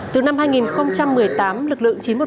từ năm hai nghìn một mươi tám lực lượng chín trăm một mươi